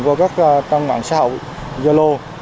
qua các ngọn xã hội do lô